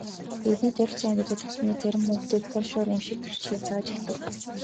Тэдний ойролцоо амьдардаг тосгоны зарим хүүхдүүдэд польшоор уншиж бичихийг зааж эхлэв.